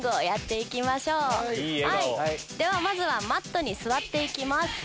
まずはマットに座って行きます。